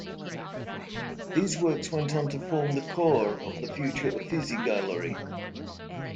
These works went on to form the core of the future Uffizi Gallery.